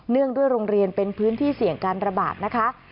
งด้วยโรงเรียนเป็นพื้นที่เสี่ยงการระบาดนะคะ